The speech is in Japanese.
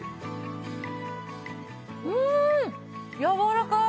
うんやわらかい！